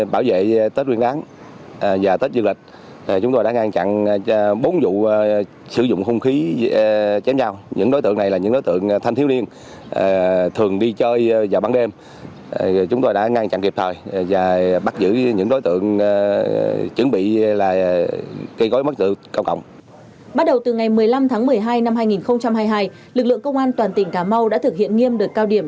bắt đầu từ ngày một mươi năm tháng một mươi hai năm hai nghìn hai mươi hai lực lượng công an toàn tỉnh cà mau đã thực hiện nghiêm đợt cao điểm